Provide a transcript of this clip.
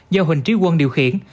do huỳnh trí quân điều khiển